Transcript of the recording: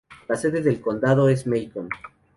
La sede de condado es Macon.